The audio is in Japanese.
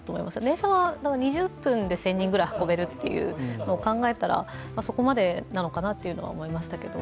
電車は２０分で１０００人くらい運べるというのを考えたら、そこまでなのかなというのは思いましたけど。